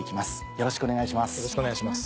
よろしくお願いします。